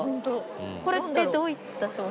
これってどういった商品？